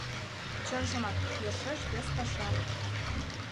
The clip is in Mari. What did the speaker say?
Чынжымак, йӧршеш вес паша.